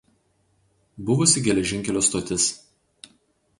Buvusi geležinkelio stotis.